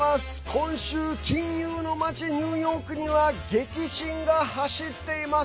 今週、金融の街ニューヨークには激震が走っています。